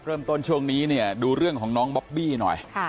ช่วงนี้เนี่ยดูเรื่องของน้องบอบบี้หน่อย